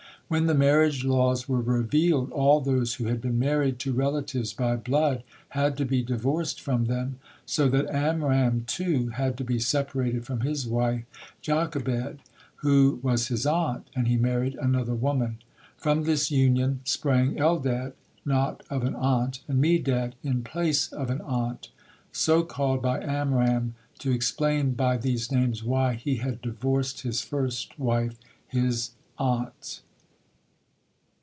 When the marriage laws were revealed, all those who had been married to relatives by blood had to be divorced from them, so that Amram, too, had to be separated from his wife Jochebed, who was his aunt, and he married another woman. From this union sprang Eldad, "not of an aunt," and Medad, "in place of an aunt," so called by Amram to explain by these names why he had divorced his first wife, his aunt.